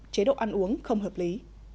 chế độ ăn uống không hợp lý